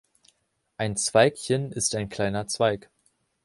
Ein Zweigchen ist ein kleiner Zweig.